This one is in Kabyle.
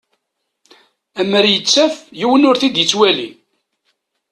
Amer ittaf yiwen ur t-id-yettwali